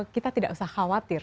kita tidak usah khawatir